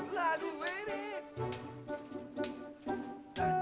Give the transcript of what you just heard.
akan datang kiri